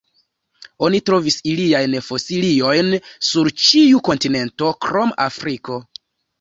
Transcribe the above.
Oni trovis iliajn fosiliojn sur ĉiu kontinento krom Afriko.